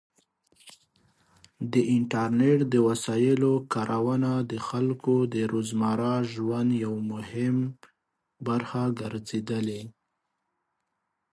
د انټرنیټ د وسایلو کارونه د خلکو د روزمره ژوند یو مهم برخه ګرځېدلې.